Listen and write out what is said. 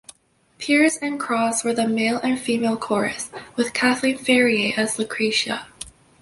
Pears and Cross were the Male and Female Chorus, with Kathleen Ferrier as Lucretia.